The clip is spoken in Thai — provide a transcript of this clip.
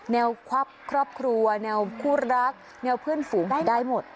แนวครอบครัวแนวคู่รักแนวเพื่อนฝูงได้หมด